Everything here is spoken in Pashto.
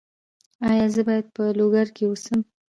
ایا زه باید په لوګر کې اوسم؟